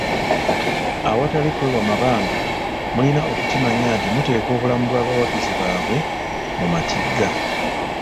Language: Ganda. Awatali kwewa mabanga, mulina okukimanya nti muteeka obulamu bw'abawagizi babwe mu matigga.